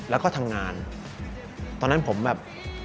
แล้วก็ทำงานตอนนั้นผมแบบ